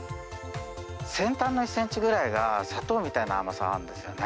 先端の１センチぐらいが、砂糖みたいな甘さなんですよね。